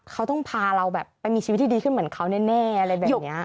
เขาต้องพาเราแบบไปมีชีวิตที่ดีขึ้นเหมือนเขาแน่อะไรแบบนี้